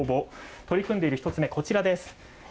取り組んでいる１つ目、こちらです。